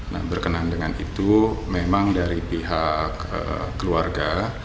nah berkenan dengan itu memang dari pihak keluarga